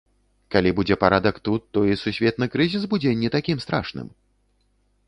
Калі будзе парадак тут, то і сусветны крызіс будзе не такім страшным?